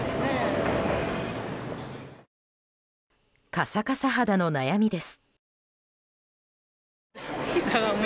カサカサ肌の悩みです。